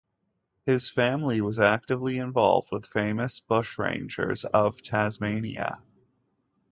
His family was actively involved with famous bushrangers of Tasmania.